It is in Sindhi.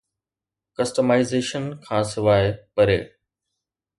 ڪسٽمائيزيشن کان سواء پري